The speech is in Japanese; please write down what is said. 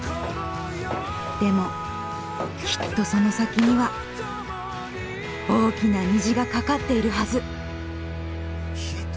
でもきっとその先には大きな虹がかかっているはず！